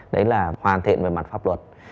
đấy là hoàn thiện về mặt pháp luật